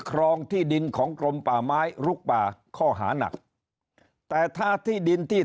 ครองที่ดินของกรมป่าไม้ลุกป่าข้อหานักแต่ถ้าที่ดินที่